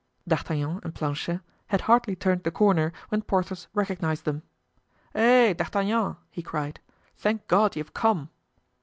D'Artagnan and Planchet had hardly turned the corner when Porthos recognized them. "Eh! D'Artagnan!" he cried. "Thank God you have come!"